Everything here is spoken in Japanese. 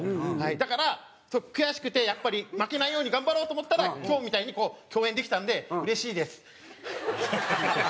だから悔しくてやっぱり負けないように頑張ろうと思ったら今日みたいに共演できたんでうれしいです。